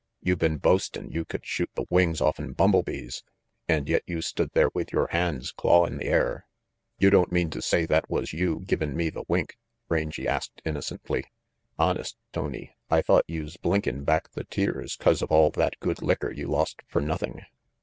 "You been boastin' you could shoot the RANGY PETE 43 wings offen bumblebees, an' yet you stood there with your hands clawin' the air " "You don't mean to say that was you givin' me the wink?" Rangy asked innocently. "Honest, Tony, I thought youse blinkin' back the tears 'cause of all that good licker you lost fer nothing.